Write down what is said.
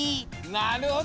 なるほどね！